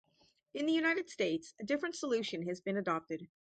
In the United States, a different solution has been adopted.